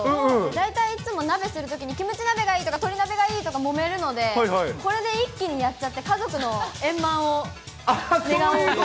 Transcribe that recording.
大体いつも鍋するときに、キムチ鍋がいいとか、鶏鍋がいいとかもめるので、これで一気にやっちゃって、家族のえんまんを願おうかと。